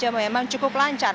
memang cukup lancar